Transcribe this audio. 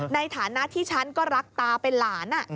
ในฐานะที่ฉันก็รักตาเป็นหลาน